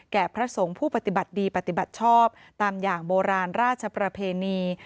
พระสงฆ์ผู้ปฏิบัติดีปฏิบัติชอบตามอย่างโบราณราชประเพณี